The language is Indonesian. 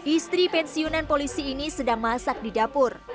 istri pensiunan polisi ini sedang masak di dapur